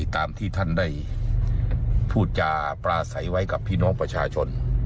ตามที่ท่านได้พูดจาปลาใสไว้กับพี่น้องประชาชน